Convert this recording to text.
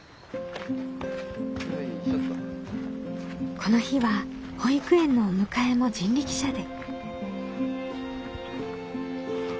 この日は保育園のお迎えも人力車で。